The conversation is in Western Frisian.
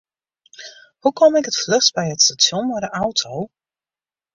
Hoe kom ik it fluchst by it stasjon mei de auto?